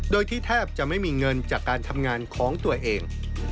โดยที่แทบจะไม่มีเงินจากการทำงานของตัวเอง